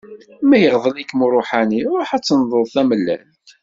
Ma iɣḍel-ikem uruḥani, ruḥ ad tenḍeḍ tamellalt.